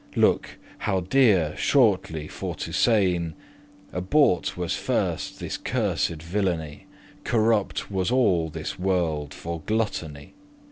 Looke, how deare, shortly for to sayn, Abought* was first this cursed villainy: *atoned for Corrupt was all this world for gluttony.